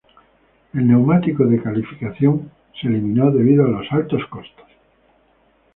El neumático de calificación se eliminó debido a los altos costes.